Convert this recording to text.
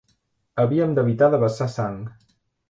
Havíem d'evitar de vessar sang